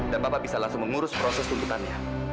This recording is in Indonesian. dan papa bisa langsung mengurus proses tuntutannya